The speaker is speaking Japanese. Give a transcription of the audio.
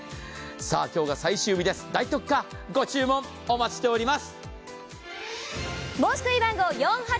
さあ今日が最終日です、大特価、ご注文お待ちしております。